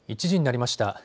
１時になりました。